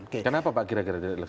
kenapa pak kira kira dilaksanakan